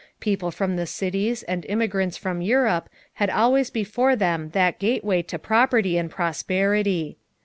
People from the cities and immigrants from Europe had always before them that gateway to property and prosperity.